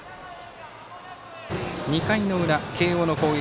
２回の裏、慶応の攻撃。